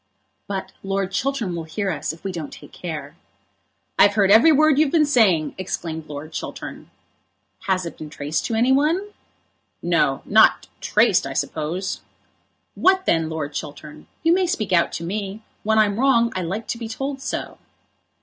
But Lord Chiltern will hear us if we don't take care." "I've heard every word you've been saying," exclaimed Lord Chiltern. "Has it been traced to any one?" "No, not traced, I suppose." "What then, Lord Chiltern? You may speak out to me. When I'm wrong I like to be told so."